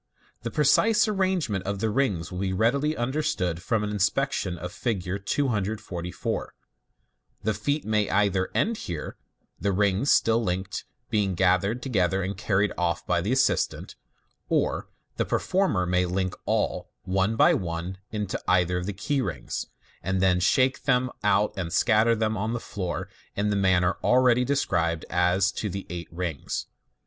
The precise arrangement of the rings will be readily understood from an inspection of Fig 244.* The feat may either end here, the rings, still linked, being gathered together and carried off by the assistant, or the performer may link all one by one into either of the key rings, and then shake them out and scatter them on the floor in the man ner already described as to the eight rings.